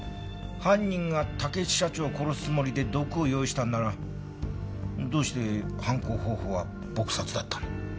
犯人が竹地社長を殺すつもりで毒を用意したんならどうして犯行方法は撲殺だったの？